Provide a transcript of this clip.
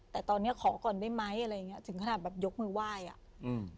แต่ตอนเนี้ยขอก่อนได้ไหมอะไรอย่างเงี้ถึงขนาดแบบยกมือไหว้อ่ะอืม